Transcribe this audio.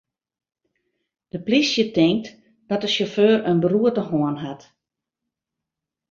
De polysje tinkt dat de sjauffeur in beroerte hân hat.